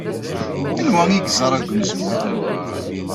Anwa ay yeẓra deg umezgun?